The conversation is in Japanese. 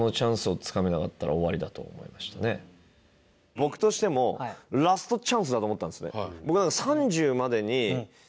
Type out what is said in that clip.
僕としてもラストチャンスだと思ったんですね。